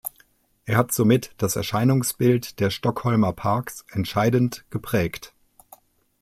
Er hat somit das Erscheinungsbild der Stockholmer Parks entscheidend geprägt.